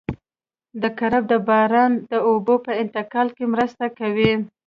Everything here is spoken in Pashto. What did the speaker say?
دا کرب د باران د اوبو په انتقال کې مرسته کوي